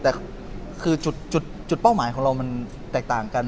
แต่คือจุดเป้าหมายของเรามันแตกต่างกัน